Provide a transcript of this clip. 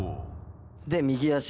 で右足を。